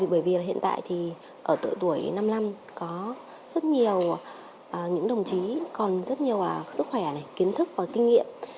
bởi vì hiện tại ở tuổi năm năm có rất nhiều đồng chí còn rất nhiều sức khỏe kiến thức và kinh nghiệm